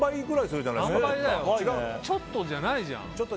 ちょっとじゃないじゃん。